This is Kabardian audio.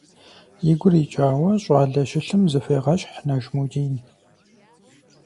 И гур икӀауэ, щӀалэ щылъым зыхуегъэщхъ Нажмудин.